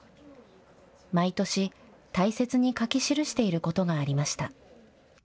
毎年、大切に書き記していることがありました。